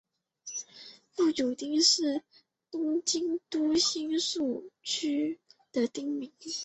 富久町是东京都新宿区的町名。